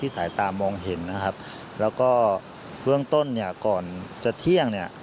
สายตามองเห็นนะครับแล้วก็เบื้องต้นเนี่ยก่อนจะเที่ยงเนี่ย